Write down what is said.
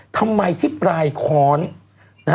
ทำไมที่ปลายค้อน